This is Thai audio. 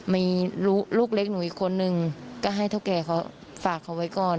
มีลูกเล็กหนูอีกคนนึงก็ให้เท่าแก่เขาฝากเขาไว้ก่อน